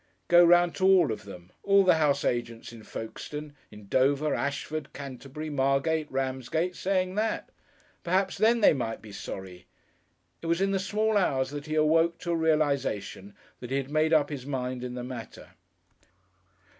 Go round to all of them; all the house agents in Folkestone, in Dover, Ashford, Canterbury, Margate, Ramsgate, saying that! Perhaps then they might be sorry. It was in the small hours that he awoke to a realisation that he had made up his mind in the matter.